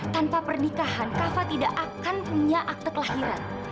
tanpa pernikahan kava tidak akan punya akte kelahiran